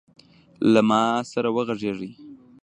له ما سره وغږیږﺉ .